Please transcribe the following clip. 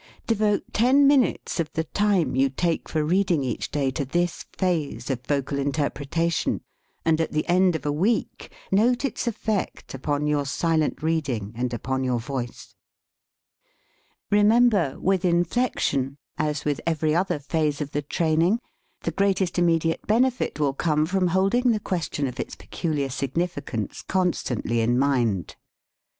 Devote ten minutes of the time you take for reading each day to this phase of vocal interpretation, and at the end of a week note its effect upon your silent reading and upon your voice. Remember, with inflection, as with every other phase of the training, the greatest im mediate benefit will come from holding the question of its peculiar significance constant ly in mind.